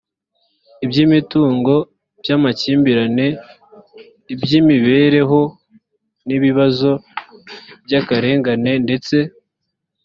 iby imitungo iby amakimbirane iby imibereho n ibibazo by akarengane ndetse